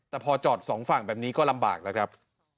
แต่พอจอดสองฝั่งแบบนี้ก็ลำบากแล้วครับ